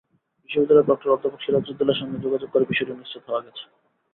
বিশ্ববিদ্যালয়ের প্রক্টর অধ্যাপক সিরাজুদ্দৌলার সঙ্গে যোগাযোগ করে বিষয়টি নিশ্চিত হওয়া গেছে।